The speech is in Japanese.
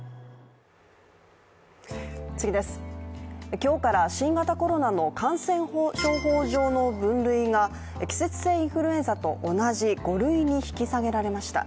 今日から新型コロナの感染症法上の分類が季節性インフルエンザと同じ５類に引き下げられました。